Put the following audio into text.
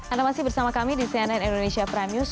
anda masih bersama kami di cnn indonesia prime news